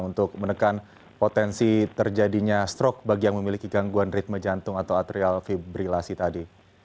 untuk menekan potensi terjadinya strok bagi yang memiliki gangguan ritme jantung atau atrial fibrilasi tadi